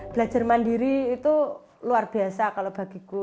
belajar mandiri itu luar biasa kalau bagiku